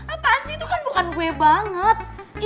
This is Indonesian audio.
apaan sih itu kan bukan gue banget